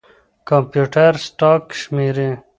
کمپيوټر سټاک شمېرې.